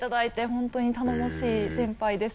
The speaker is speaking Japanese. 本当に頼もしい先輩です。